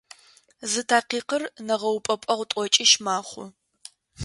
Зы такъикъыр нэгъэупӏэпӏэгъу тӏокӏищ мэхъу.